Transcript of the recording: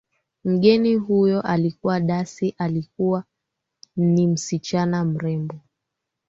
Mgeni huyo aliitwa Daisy alikuwa ni msichana mrembo